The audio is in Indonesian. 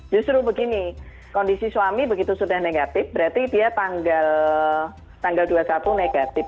justru begini kondisi suami begitu sudah negatif berarti dia tanggal dua puluh satu negatif